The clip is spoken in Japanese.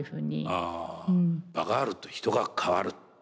ああ場があると人が変わる。